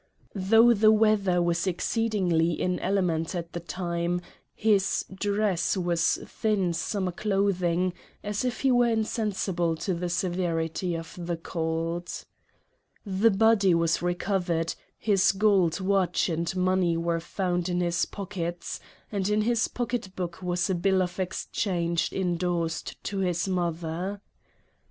Though the weather was exceedingly inclement at the time, his dress was thin summer clothing, as if he were insensible to the severity of the cold. The body was reco vered ; his gold watch and money were found in his pockets ; and in his pocket book was a bill of exchange indorsed to his mother.